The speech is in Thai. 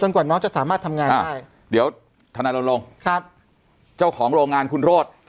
ต้นแล้วจะสามารถทำงานได้เดี๋ยวธนาฬงครับเจ้าของโรงงาน